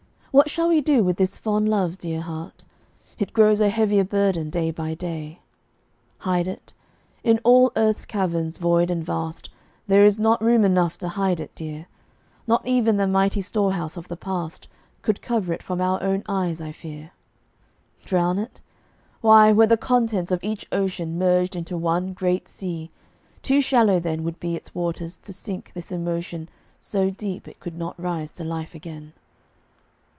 What shall we do with this fond love, dear heart? It grows a heavier burden day by day. Hide it? In all earth's caverns, void and vast, There is not room enough to hide it, dear; Not even the mighty storehouse of the past Could cover it from our own eyes, I fear. Drown it? Why, were the contents of each ocean Merged into one great sea, too shallow then Would be its waters to sink this emotion So deep it could not rise to life again.